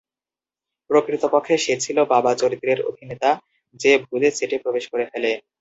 প্রকৃতপক্ষে সে ছিল বাবা চরিত্রের অভিনেতা, যে ভুলে সেটে প্রবেশ করে ফেলে।